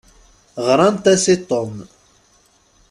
Ɣṛant-as i Tom.